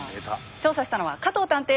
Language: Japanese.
調査したのは加藤探偵です。